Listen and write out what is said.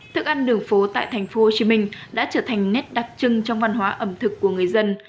thức ăn đường phố tại thành phố hồ chí minh đã trở thành nét đặc trưng trong văn hóa ẩm thực của người dân